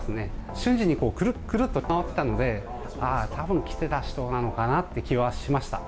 瞬時にくるっ、くるっと回っていたので、ああ、たぶん来てた人なのかなって気がしました。